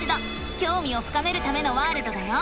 きょうみを深めるためのワールドだよ！